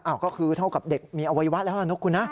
ก็คือเท่ากับเด็กมีอวัยวะแล้วนะคุณนะ